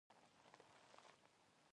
آیا خلک د سرو زرو لپاره شمال ته نه لاړل؟